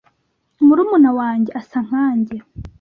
Murumuna wanjye asa nkanjye.